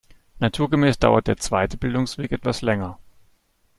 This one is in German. Naturgemäß dauert der zweite Bildungsweg etwas länger.